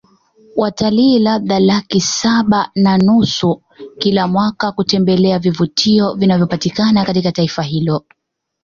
Watalii labda laki saba na nusu kila mwaka kutembelea vivutio vinavyopatikana katika taifa hilo